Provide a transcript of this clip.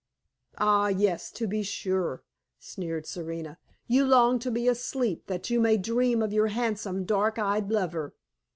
"Ah, yes, to be sure!" sneered Serena. "You long to be asleep that you may dream of your handsome, dark eyed lover!